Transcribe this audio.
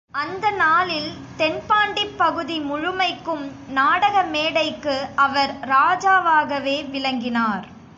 அந்த நாளில் தென்பாண்டிப் பகுதி முழுமைக்கும் நாடக மேடைக்கு அவர் ராஜாவாகவே விளங்கினார்.